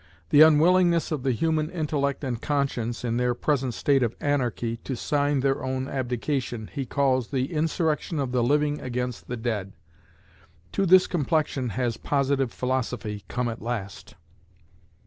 The unwillingness of the human intellect and conscience, in their present state of "anarchy," to sign their own abdication, lie calls "the insurrection of the living against the dead." To this complexion has Positive Philosophy come at last!